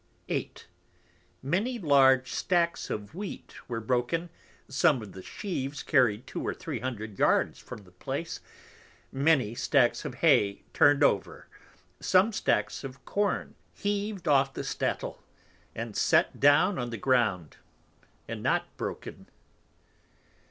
8. Many large Stacks of Wheat were broken, some of the Sheaves carried two or three Hundred Yards from the Place, many Stacks of Hay turned over, some Stacks of Corn heaved off the Stadle, and set down on the Ground, and not broken.